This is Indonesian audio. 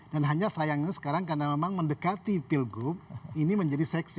dan hanya sayangnya sekarang karena memang mendekati pilgub ini menjadi seksi